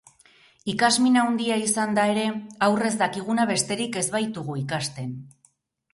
Ikasmin handia izanda ere, aurrez dakiguna besterik ez baitugu ikasten.